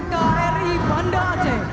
kri bandar aceh